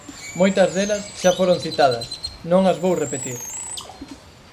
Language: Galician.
Moitas delas xa foron citadas, non as vou repetir.